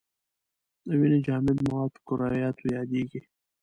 د وینې جامد مواد په کرویاتو یادیږي.